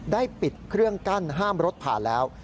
ได้ปิดเครื่องกั้นห้ามรถผ่านแล้ว